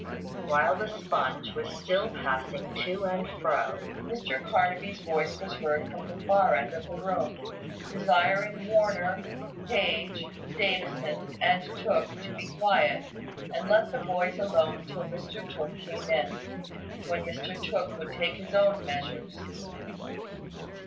While the sponge was still passing to and fro, Mr Carnaby's voice was heard from the far end of the room, desiring Warner, Page, Davison, and Tooke to be quiet, and let the boys alone till Mr Tooke came in, when Mr Tooke would take his own measures.